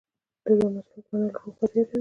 د ژوند مسؤلیت منل روح بیداروي.